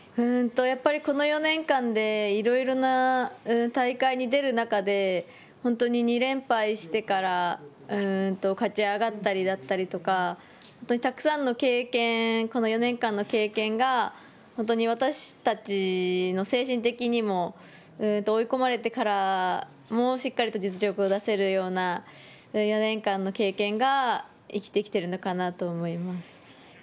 やっぱりこの４年間で、いろいろな大会に出る中で、本当に２連敗してから勝ち上がったりだったりとか、本当にたくさんの経験、この４年間の経験が、本当に私たちの精神的にも、追い込まれてからもしっかりと実力を出せるような４年間の経験が生きてきてるのかなと思います。